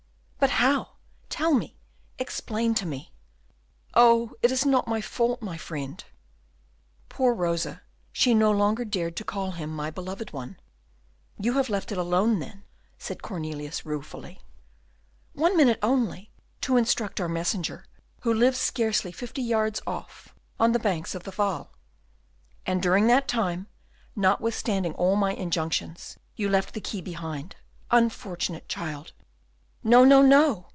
"But how? Tell me, explain to me." "Oh, it is not my fault, my friend." Poor Rosa! she no longer dared to call him "My beloved one." "You have then left it alone," said Cornelius, ruefully. "One minute only, to instruct our messenger, who lives scarcely fifty yards off, on the banks of the Waal." "And during that time, notwithstanding all my injunctions, you left the key behind, unfortunate child!" "No, no, no!